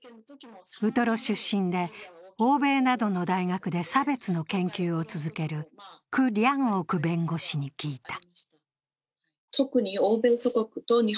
ウトロ出身で、欧米などの大学で差別の研究を続ける具良オク弁護士に聞いた。